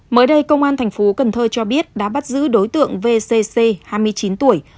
mới đây công an thành phố cần thơ cho biết đã bắt giữ đối tượng vcc hai mươi chín tuổi